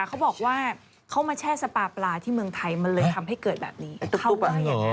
เขาบอกว่าเข้ามาแช่สปาปลาที่เมืองไทยมันเลยทำให้เกิดแบบนี้เข้าไป